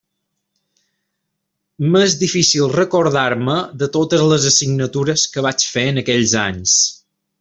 M'és difícil recordar-me de totes les assignatures que vaig fer en aquells anys.